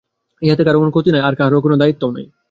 ইহাতে কাহারও কোন ক্ষতি নাই, আর কাহারও কোন দায়িত্ব নাই।